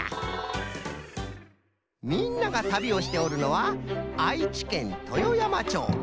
みんなが旅をしておるのは愛知県豊山町。